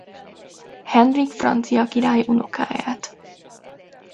Henrik francia király unokáját.